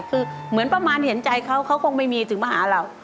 คือเหมือนประมาณเห็นใจเขาเขาคงไม่มีถึงมาหาเรา